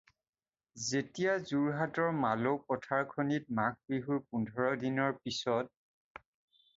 যেতিয়া যােৰহাটৰ মালৌ পথাৰখনিত মাঘৰ বিহুৰ পােন্ধৰ দিনৰ পিছত